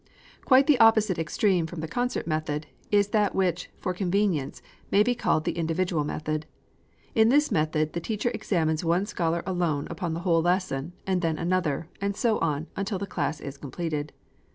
Quite the opposite extreme from the concert method, is that which, for convenience, may be called the individual method. In this method, the teacher examines one scholar alone upon the whole lesson, and then another, and so on, until the class is completed.